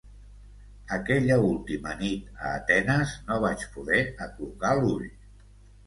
Aquella última nit a Atenes no vaig poder aclucar l'ull.